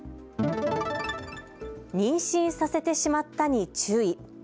妊娠させてしまったに注意。